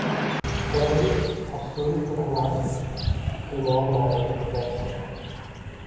to‘g‘rilik, rostgo‘ylik urug‘lari ekilmog‘i lozimligi to‘g‘risida